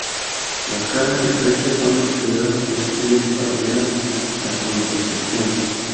Las caras estrechas son estriadas con estrías paralelas a su intersección.